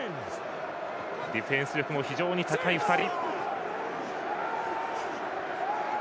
ディフェンス力も非常に高い２人。